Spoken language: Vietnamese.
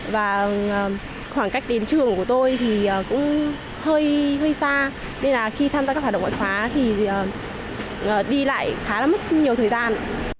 và khoảng cách đến trường của tôi thì cũng hơi xa nên là khi tham gia các hoạt động ngoại khóa thì đi lại khá là mất nhiều thời gian